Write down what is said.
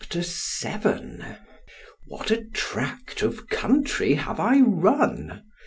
VII WHAT a tract of country have I run!